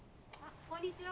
こんにちは。